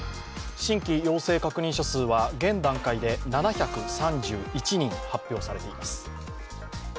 新規陽性確認者数は現段階で７３１人発表されています。